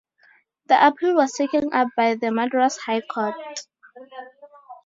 The appeal was taken up by the Madras High Court.